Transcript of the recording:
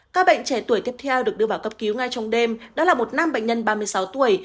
các bệnh trẻ tuổi tiếp theo được đưa vào cấp cứu ngay trong đêm đó là một nam bệnh nhân ba mươi sáu tuổi